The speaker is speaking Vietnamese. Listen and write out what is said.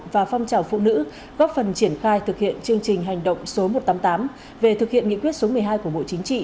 và phong trào phụ nữ góp phần triển khai thực hiện chương trình hành động số một trăm tám mươi tám về thực hiện nghị quyết số một mươi hai của bộ chính trị